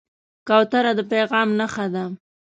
کوتره د پیغام نښه ده.